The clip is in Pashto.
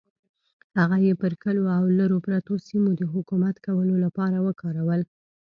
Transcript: هغه یې پر کلیو او لرو پرتو سیمو د حکومت کولو لپاره وکارول.